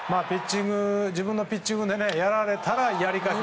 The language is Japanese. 自分のピッチングでやられたらやり返す。